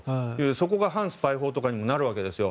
そこが反スパイ法とかにもなるわけですよ。